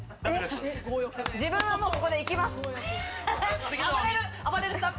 自分はもうここで行きます。